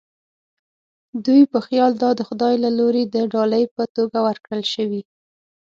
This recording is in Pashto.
دوی په خیال دا د خدای له لوري د ډالۍ په توګه ورکړل شوې.